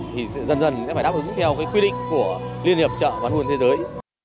thì dần dần sẽ phải đáp ứng theo quy định của liên hiệp chợ bán huồn thế giới